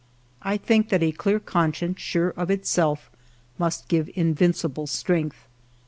I think that a clear conscience, sure of itself, must give invincible strength.